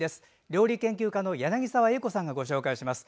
料理研究家の柳澤英子さんがご紹介します。